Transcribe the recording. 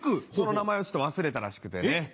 その名前を忘れたらしくてね。